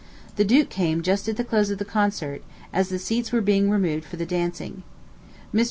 The duke came just at the close of the concert, as the seats were being removed for the dancing. Mr.